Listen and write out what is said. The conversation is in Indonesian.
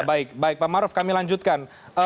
baik baik pak maruf kami lanjutkan